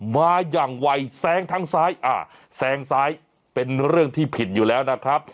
มาอย่างไวแซงทั้งซ้ายอ่าแซงซ้ายเป็นเรื่องที่ผิดอยู่แล้วนะครับ